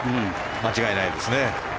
間違いないですね。